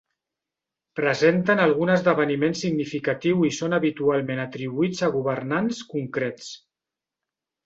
Presenten algun esdeveniment significatiu i són habitualment atribuïts a governants concrets.